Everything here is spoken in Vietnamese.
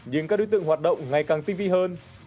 nhưng các đối tượng hoạt động ngày càng tinh vi hơn